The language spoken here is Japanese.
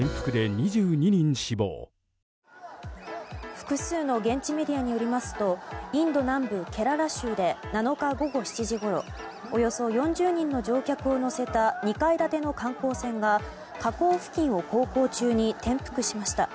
複数の現地メディアによりますとインド南部ケララ州で７日午後７時ごろおよそ４０人の乗客を乗せた２階建ての観光船が河口付近を航行中に転覆しました。